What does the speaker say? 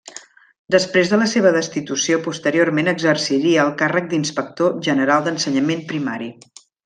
Després de la seva destitució, posteriorment exerciria el càrrec d'Inspector general d'Ensenyament Primari.